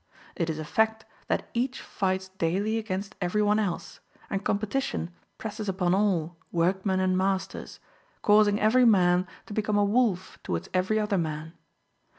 It is a fact that each fights daily against every one else, and competition presses upon all, workmen and masters, causing every man to become a wolf towards every other man.